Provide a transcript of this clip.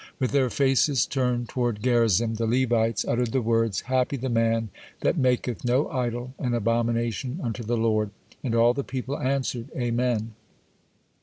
With their faces turned toward Gerizim, the Levites uttered the words: "Happy the man that maketh no idol, an abomination unto the Lord," and all the people answered Amen.